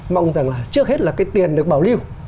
mong rằng là trước hết là cái tiền được bảo lưu